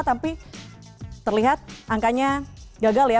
tapi terlihat angkanya gagal ya